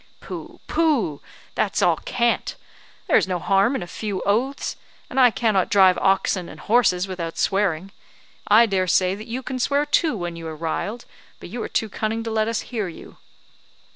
"Pooh! pooh! that's all cant; there is no harm in a few oaths, and I cannot drive oxen and horses without swearing. I dare say that you can swear too when you are riled, but you are too cunning to let us hear you."